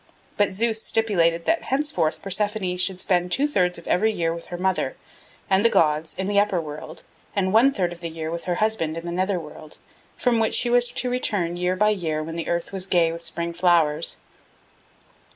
But Zeus stipulated that henceforth Persephone should spend two thirds of every year with her mother and the gods in the upper world and one third of the year with her husband in the nether world, from which she was to return year by year when the earth was gay with spring flowers.